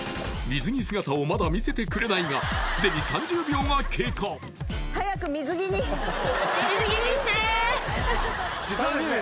水着姿をまだ見せてくれないがすでに３０秒が経過実はですね